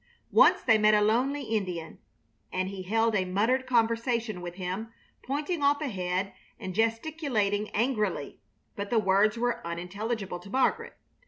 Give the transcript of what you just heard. Once they met a lonely Indian, and he held a muttered conversation with him, pointing off ahead and gesticulating angrily. But the words were unintelligible to Margaret.